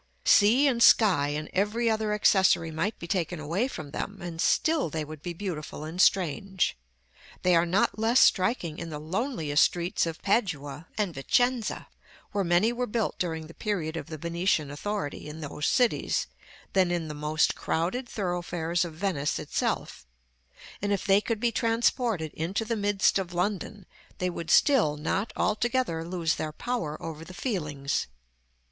Sea and sky, and every other accessory might be taken away from them, and still they would be beautiful and strange. They are not less striking in the loneliest streets of Padua and Vicenza (where many were built during the period of the Venetian authority in those cities) than in the most crowded thoroughfares of Venice itself; and if they could be transported into the midst of London, they would still not altogether lose their power over the feelings.